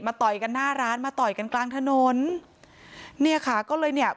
ต่อยกันหน้าร้านมาต่อยกันกลางถนนเนี่ยค่ะก็เลยเนี่ย